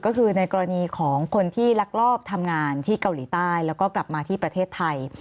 ก็คือในกรณีของคนที่ลักลอบทำงานที่เกาหลีใต้แล้วก็กลับมาที่ประเทศไทย